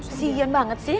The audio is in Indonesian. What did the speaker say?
pesian banget sih ha